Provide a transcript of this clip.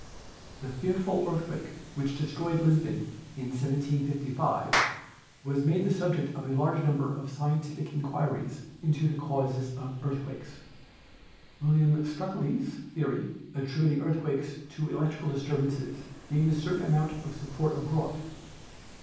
The fearful earthquake which destroyed Lisbon in 1755 was made the subject of a large number of scientific in MODERN DEVELOPMENT 69 quiries into the causes of earthquakes. William Stukeley's theory > attributing earthquakes to electrical disturbances, gained a certain amount of support abroad.